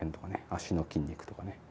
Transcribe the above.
足の筋肉とかね。